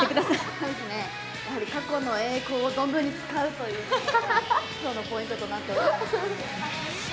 そうですね、過去の栄光を存分に使うというのがきょうのポイントとなっております。